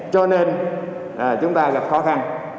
cho nên chúng ta gặp khó khăn